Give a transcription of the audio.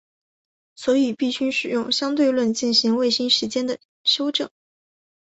所以必须使用相对论进行卫星时间的修正。